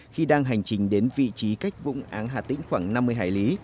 khi đang hành trình đến vị trí cách vũng áng hà tĩnh khoảng năm mươi hải lý